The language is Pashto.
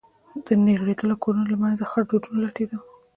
د نړېدلو كورونو له منځه خړ دودونه لټېدل.